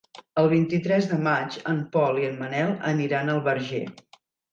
El vint-i-tres de maig en Pol i en Manel aniran al Verger.